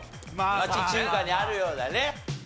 町中華にあるようなね。